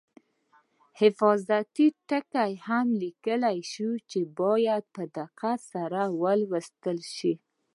حفاظتي ټکي هم لیکل شوي چې باید په دقت سره ولوستل شي.